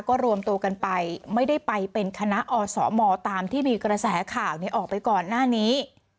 ก็รวมตัวกันไปไม่ได้ไปเป็นคณะอสมตามที่มีกระแสข่าวออกไปก่อนหน้านี้